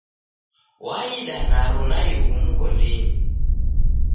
Waida naro naighu mghondinyi.